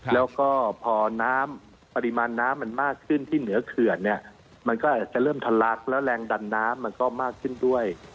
แล้วก็พอน้ำปริมาณน้ำมันมากขึ้นที่เหนือเขื่อนเนี่ยมันก็อาจจะเริ่มทะลักแล้วแรงดันน้ำมันก็มากขึ้นด้วย